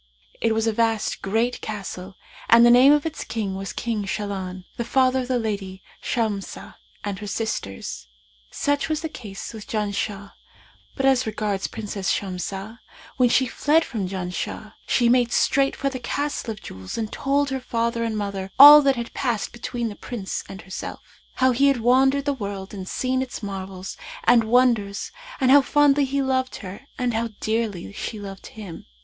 It was a vast great castle and the name of its king was King Shahlan, the father of the lady Shamsah and her sisters. Such was the case with Janshah; but as regards Princess Shamsah, when she fled from Janshah, she made straight for the Castle of Jewels and told her father and mother all that had passed between the Prince and herself; how he had wandered the world and seen its marvels and wonders and how fondly he loved her and how dearly she loved him.